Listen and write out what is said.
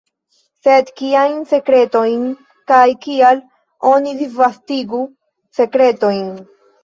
Sed kiajn sekretojn, kaj kial oni disvastigu sekretojn?